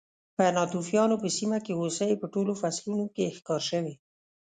په ناتوفیانو په سیمه کې هوسۍ په ټولو فصلونو کې ښکار شوې